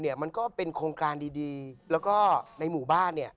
เยอะมาก